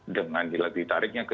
dengan ditariknya ke